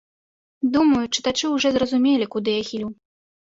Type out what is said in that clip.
Думаю, чытачы ўжо зразумелі, куды я хілю.